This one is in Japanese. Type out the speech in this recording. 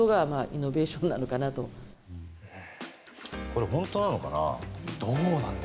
これ本当なのかな。